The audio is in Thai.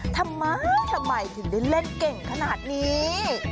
ทำไมทำไมถึงได้เล่นเก่งขนาดนี้